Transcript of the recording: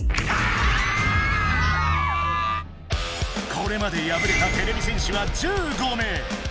これまでやぶれたてれび戦士は１５名。